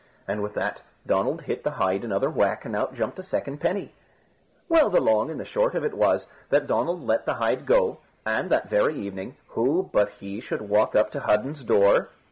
and with that Donald hit the hide another whack and out jumped a second penny. Well, the long and the short of it was that Donald let the hide go, and, that very evening, who but he should walk up to Hudden's door?